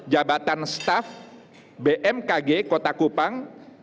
jabatan staff bmkg kota kupang